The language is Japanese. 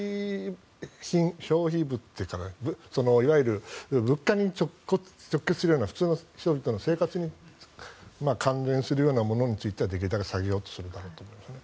恐らくいわゆる物価に直結するような普通の人々の生活に関連するようなものについてはできるだけ下げようとするだろうと思いますね。